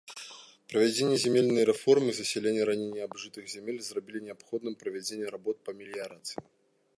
Правядзенне зямельнай рэформы, засяленне раней неабжытых зямель зрабілі неабходным правядзенне работ па меліярацыі.